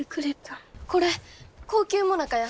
これ高級もなかや。